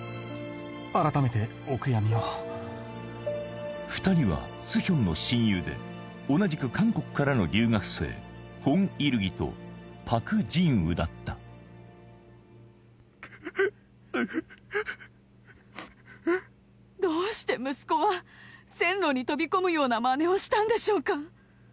改めてお悔やみを２人はスヒョンの親友で同じく韓国からの留学生ホン・イルギとパク・ジンウだったどうして息子は線路に飛び込むようなまねをしたんでしょうか